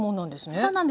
そうなんです。